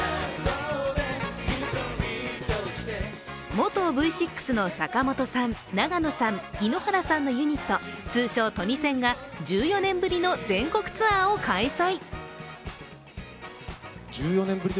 元Ｖ６の坂本さん、長野さん、井ノ原さんのユニット、通称、トニセンが１４年ぶりの全国ツアーを開催。